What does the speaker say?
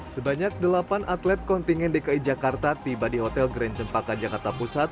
sebanyak delapan atlet kontingen dki jakarta tiba di hotel grand cempaka jakarta pusat